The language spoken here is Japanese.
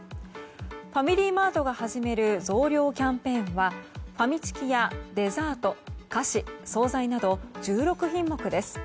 ファミリーマートが始める増量キャンペーンはファミチキやデザート、菓子、総菜など１６品目です。